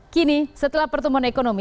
kini setelah pertumbuhan ekonomi